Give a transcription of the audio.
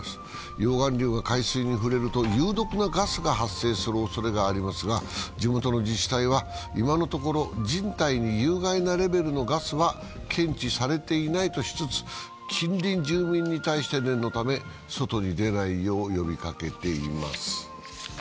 溶岩流が海水に触れると有害なガスが発生するおそれがありますが、地元の自治体は今のところ、人体に有害なレベルのガスは検知されていないとしつつ、近隣住民に対して念のため、外に出ないよう呼びかけています。